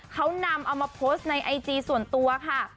เขานำเอามาโพสต์ในไอจีส่วนตัวค่ะ